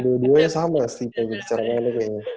dua duanya sama sih kayak bicara bicara